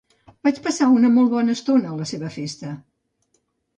Vaig passar una molt bona estona a la seva festa.